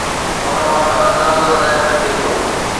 ان مان اندازو لڳائي سگهجي ٿو.